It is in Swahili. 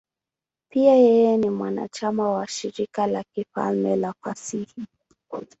Pia yeye ni mwanachama wa Shirika la Kifalme la Fasihi.